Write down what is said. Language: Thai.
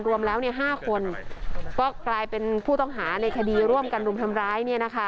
รวมแล้ว๕คนก็กลายเป็นผู้ต้องหาในคดีร่วมกันรุมทำร้าย